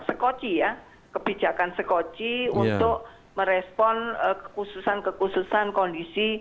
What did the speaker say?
sekoci ya kebijakan sekoci untuk merespon kekhususan kekhususan kondisi